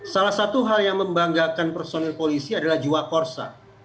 salah satu hal yang membanggakan personil polisi adalah jiwa korsa